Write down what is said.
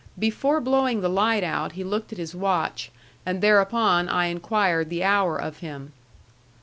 Before blowing the light out he looked at his watch, and thereupon I inquired the hour of him.